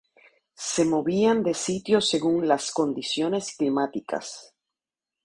Se movían de sitio según las condiciones climáticas.